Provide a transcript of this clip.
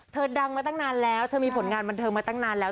ดังมาตั้งนานแล้วเธอมีผลงานบันเทิงมาตั้งนานแล้ว